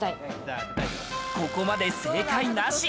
ここまで正解なし。